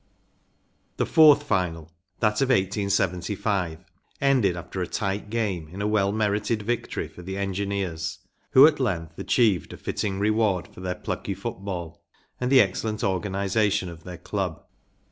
‚ÄĚ. The fourth final, that of 1875, ended after a tight game in a well merited victory for the Engineers, who at length achieved a fitting reward for their plucky football and the excellent organization of their club.